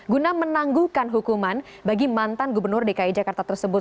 guna menangguhkan hukuman bagi mantan gubernur dki jakarta tersebut